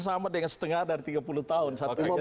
sama dengan setengah dari tiga puluh tahun